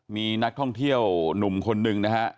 มีนักท่องเที่ยวหนุ่มคนหนึ่งนะฮะ